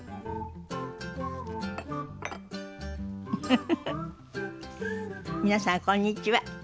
フフフフ皆さんこんにちは。